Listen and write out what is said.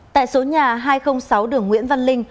tại số nhà hai trăm linh sáu đường nguyễn văn linh